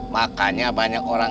makanya banyak orang